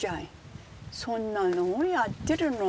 そんなのもやってるの？